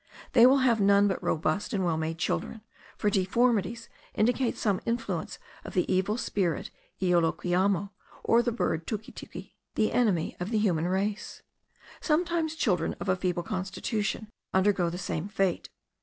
They will have none but robust and well made children, for deformities indicate some influence of the evil spirit Ioloquiamo, or the bird Tikitiki, the enemy of the human race. Sometimes children of a feeble constitution undergo the same fate.